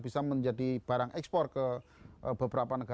sama ada roti serikaya juga